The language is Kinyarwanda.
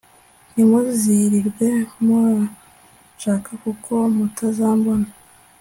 ntimuzirirwe muranshaka kuko mutazambona